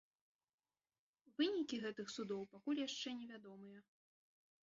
Вынікі гэтых судоў пакуль яшчэ не вядомыя.